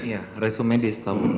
iya resum medis tahu